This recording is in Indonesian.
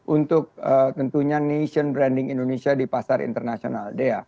untuk tentunya nation branding indonesia di pasar internasional